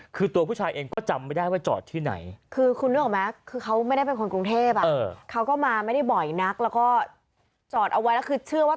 และก็จอดเอาไว้แล้วคือเชื่อว่า